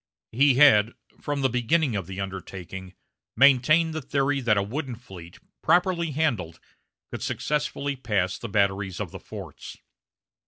He had, from the beginning of the undertaking, maintained the theory that a wooden fleet, properly handled, could successfully pass the batteries of the forts.